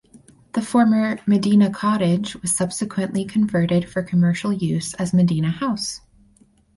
The former "Medina Cottage" was subsequently converted for commercial use as "Medina House".